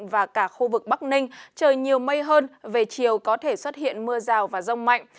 và cả khu vực bắc ninh trời nhiều mây hơn về chiều có thể xuất hiện mưa rào và rông mạnh